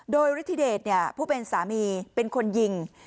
โดยฤทธิเดชผู้เป็นสามีเป็นคนยิง